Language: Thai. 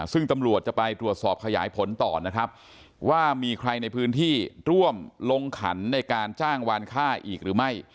ซึ่งตำรวจจะไปตรวจสอบขยายผลต่อนะครับว่ามีใครในพื้นที่ร่วมลงขันในการจ้างวานค่าอีกหรือไม่